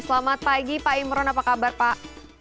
selamat pagi pak imron apa kabar pak